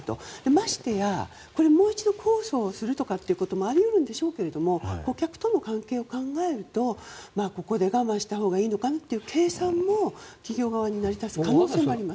ましてや、これもう一度控訴をするということもあり得るんでしょうけれども顧客との関係を考えるとここで我慢したほうがいいのかなという計算も企業側に成り立つ可能性もあります。